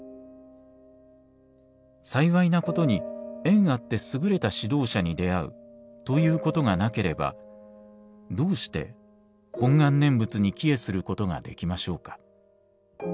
幸いなことに縁あってすぐれた指導者に出遭うということがなければどうして本願念仏に帰依することができましょうか。